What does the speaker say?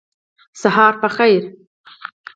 سهار په خیر